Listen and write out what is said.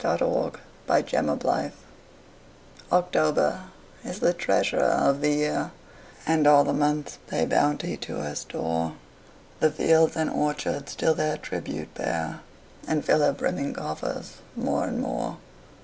Paul Laurence Dunbar October OCTOBER is the treasurer of the year, And all the months pay bounty to her store: The fields and orchards still their tribute bear, And fill her brimming coffers more and more.